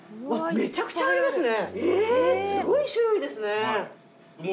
めちゃくちゃありますね。